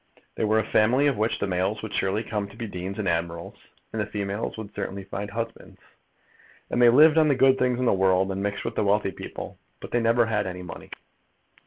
They were a family of which the males would surely come to be deans and admirals, and the females would certainly find husbands. And they lived on the good things of the world, and mixed with wealthy people. But they never had any money.